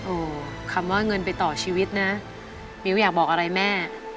คำว่าเงินไปต่อชีวิตนะมิ้วอยากบอกอะไรแม่